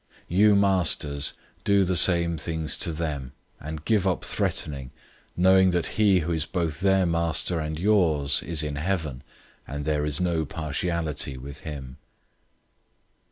006:009 You masters, do the same things to them, and give up threatening, knowing that he who is both their Master and yours is in heaven, and there is no partiality with him.